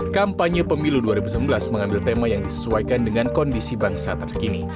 kampanye pemilu dua ribu sembilan belas mengambil tema yang disesuaikan dengan kondisi bangsa terkini